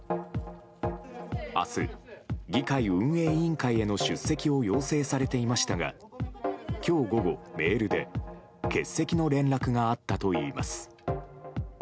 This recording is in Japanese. あす、議会運営委員会への出席を要請されていましたが、きょう午後、メールで欠席の連絡があったといいます。